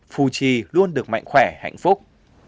phù trì luôn được mạnh khỏe hạnh phúc